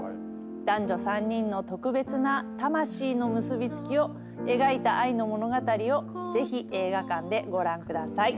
男女３人の特別な魂の結び付きを描いた愛の物語をぜひ映画館でご覧ください。